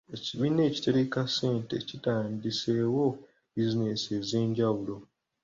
Ekibiina ekitereka ssente kitandiseewo bizinensi ez'enjawulo.